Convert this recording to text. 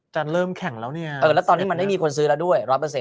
จะเริ่มแข่งแล้วเนี่ยแล้วตอนนี้มันไม่มีคนซื้อแล้วด้วย๑๐๐